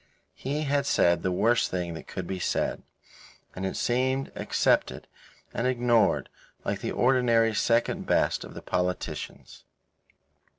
He had said the worst thing that could be said; and it seemed accepted and ignored like the ordinary second best of the politicians.